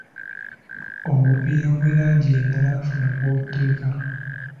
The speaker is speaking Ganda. Obupiira obw'erangi endala funa w'obuteeka.